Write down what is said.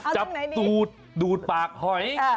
จับดูดปากหอย